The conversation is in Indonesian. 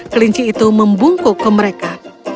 kelinci itu membungkuk ke mereka